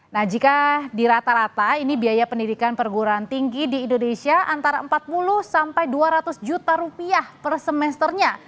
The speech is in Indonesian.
nah jika di rata rata ini biaya pendidikan perguruan tinggi di indonesia antara empat puluh sampai dua ratus juta rupiah per semesternya